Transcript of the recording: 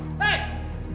bisa bangun ya